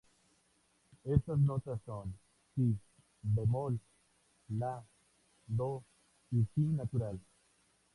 Estas notas son: "si" bemol, "la", "do"" "y "si" natural.